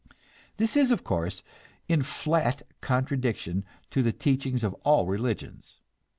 This is, of course, in flat contradiction to the teachings of all religions.